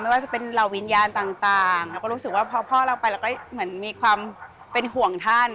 ว่าจะเป็นเหล่าวิญญาณต่างเราก็รู้สึกว่าพอพ่อเราไปเราก็เหมือนมีความเป็นห่วงท่าน